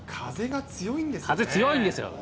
風が強いんですよね。